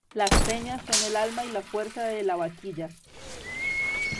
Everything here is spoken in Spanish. Las peñas son el alma y la fuerza de La Vaquilla.